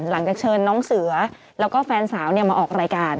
หลังจากเชิญน้องเสือแล้วก็แฟนสาวมาออกรายการ